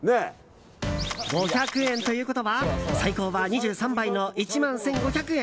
５００円ということは最高は２３倍の１万１５００円。